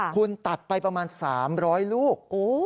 คุณตัดไปประมาณ๓๐๐ลูก